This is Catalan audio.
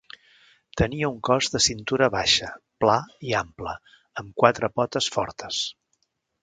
Tenia un cos de cintura baixa, pla i ample, amb quatre potes fortes.